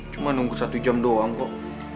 cuma nunggu satu jam doang kok